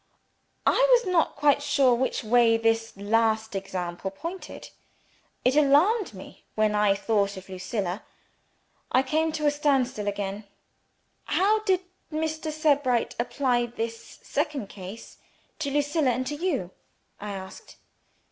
I was not quite sure which way this last example pointed. It alarmed me when I thought of Lucilla. I came to a standstill again. "How did Mr. Sebright apply this second case to Lucilla and to you?" I asked.